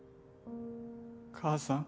母さん。